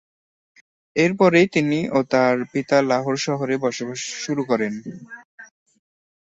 এরপরেই তিনি ও তার পিতা লাহোর শহরে বসবাস শুরু করেন।